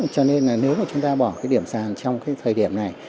cho nên nếu chúng ta bỏ điểm sàn trong thời điểm này